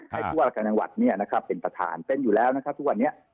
ให้ทั่วละการจังหวัดเนี่ยนะครับเป็นประธานเป็นอยู่แล้วนะครับทั่วเนี่ย